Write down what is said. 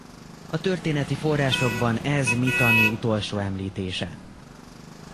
A történeti forrásokban ez Mitanni utolsó említése.